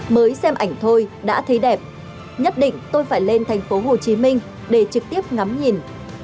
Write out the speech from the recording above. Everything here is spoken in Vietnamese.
mới xem ảnh thôi đã thấy đẹp nhất định tôi phải lên thành phố hồ chí minh để trực tiếp ngắm nhìn